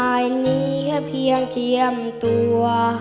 อันนี้แค่เพียงเจียมตัว